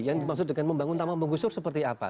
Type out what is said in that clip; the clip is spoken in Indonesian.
yang dimaksud dengan membangun tanpa menggusur seperti apa